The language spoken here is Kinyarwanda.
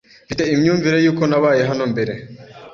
Mfite imyumvire yuko nabaye hano mbere.